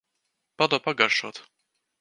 Padod pagaršot.